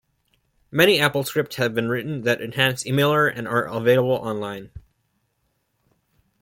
Many AppleScripts have been written that enhance Emailer and are available online.